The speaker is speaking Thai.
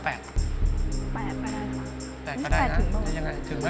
๘ไปได้หรือเปล่านี่๘ถึงหรือเปล่า